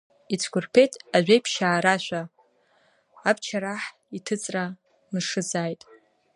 Ицәқәырԥеит Ажәеиԥшьаа рашәа, Абчараҳ иҭыҵра мшызаап!